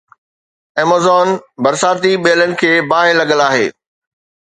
Amazon برساتي ٻيلن کي باهه لڳل آهي.